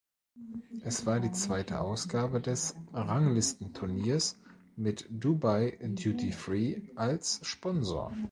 Es war die zweite Ausgabe des Ranglistenturniers mit "Dubai Duty Free" als Sponsor.